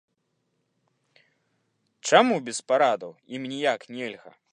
Чаму без парадаў ім ніяк нельга?